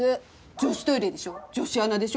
女子トイレでしょ女子アナでしょ